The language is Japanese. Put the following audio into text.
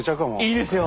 いいですよ！